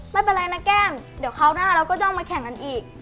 ไม่เป็นไรนะแก้มเดี๋ยวคราวหน้าเราก็ต้องมาแข่งกันอีก